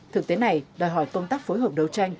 thực tế này đòi hỏi công tác phối hợp đấu tranh